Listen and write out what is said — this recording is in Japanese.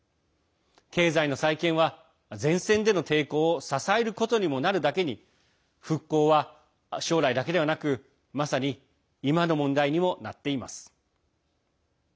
経済の再建は、前線での抵抗を支えることにもなるだけに復興は将来だけではなくまさに今の問題にもなっています。